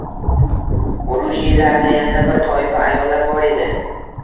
Urush yillarida yana bir toifa ayollar bor edi